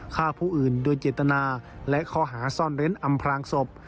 ฆ่าผู้อื่นโดยเจตนาและข้อหาซ่อนเร้นอำพลางศพ